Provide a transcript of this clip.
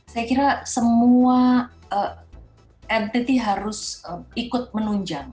saya kira semua entity harus ikut menunjang